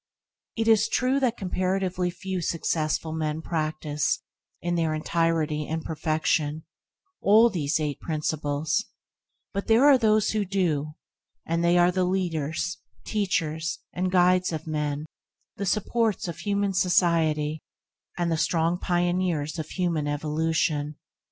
It is true that comparatively few successful men practice, in their entirety and perfection, all these eight principles, but there are those who do, and they are the leaders, teachers, and guides of men, the supports of human society, and the strong pioneers in the van of human evolution.